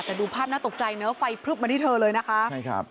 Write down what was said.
แต่ดูภาพน่าตกใจเนอะไฟพลึบมาที่เธอเลยนะคะใช่ครับ